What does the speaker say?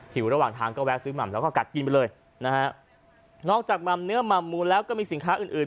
ระหว่างทางก็แวะซื้อหม่ำแล้วก็กัดกินไปเลยนะฮะนอกจากหม่ำเนื้อหม่ำมูลแล้วก็มีสินค้าอื่นอื่น